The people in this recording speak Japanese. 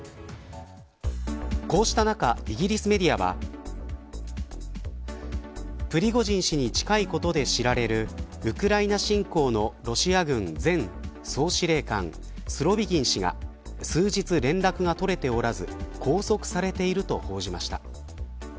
こうした中、イギリスメディアはプリゴジン氏に近いことで知られるウクライナ侵攻のロシア軍前総司令官スロビキン氏が数日連絡が取れておらず拘束されていると報じました。